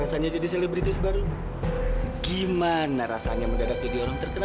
saya boleh minta datangan